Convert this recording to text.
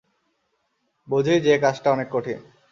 বুঝি যে কাজটা অনেক কঠিন।